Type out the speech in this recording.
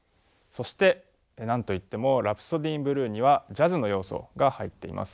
そして何と言っても「ラプソディー・イン・ブルー」にはジャズの要素が入っています。